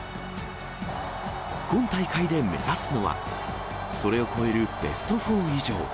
今大会で目指すのは、それを超えるベスト４以上。